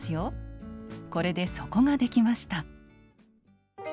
これで底ができました。